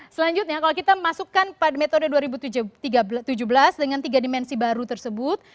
selanjutnya kalau kita masukkan pada metode dua ribu tujuh belas dengan tiga dimensi baru tersebut